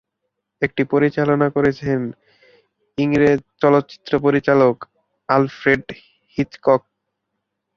এটি পরিচালনা করেছেন ইংরেজ চলচ্চিত্র পরিচালক অ্যালফ্রেড হিচকক।